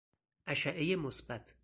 اشعه مثبت